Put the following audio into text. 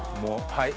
はい。